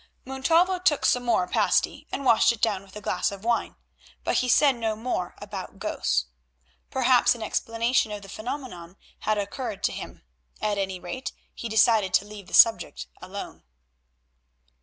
Montalvo took some more pasty, and washed it down with a glass of wine. But he said no more about ghosts—perhaps an explanation of the phenomenon had occurred to him; at any rate he decided to leave the subject alone.